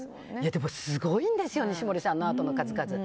でも、すごいんですよ西森さんのアートの数々。